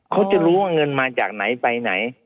เขาจะรู้ว่าเงินมาจากไหนไปไหน